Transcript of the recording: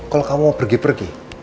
kalau kamu mau pergi pergi